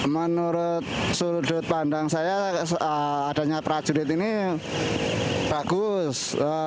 menurut sudut pandang saya adanya prajurit ini bagus